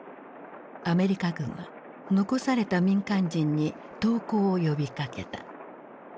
アメリカ軍は残された民間人に投降を呼びかけた。